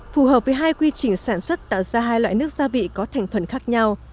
phù hợp với hai quy trình sản xuất tạo ra hai loại nước gia vị có thành phần khác nhau